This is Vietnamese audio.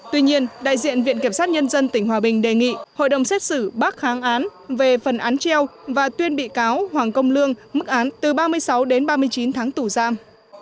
tuy nhiên đại diện viện kiểm sát nhân dân tỉnh hòa bình đề nghị hội đồng xét xử bác kháng án về phần án treo và tuyên bị cáo hoàng công lương mức án từ ba mươi sáu đến ba mươi chín tháng tù giam